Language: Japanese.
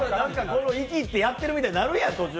イキってやってるみたいになるやん。